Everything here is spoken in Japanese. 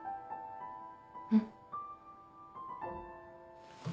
うん。